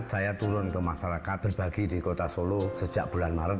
saya turun ke masyarakat berbagi di kota solo sejak bulan maret